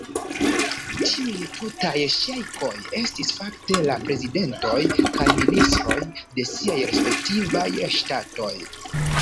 Tiuj tutaj ŝejkoj estis fakte la prezidentoj kaj ministroj de siaj respektivaj ŝtatoj.